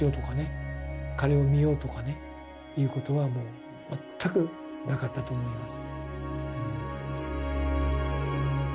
彼を見ようとかねいうことはもう全くなかったと思います。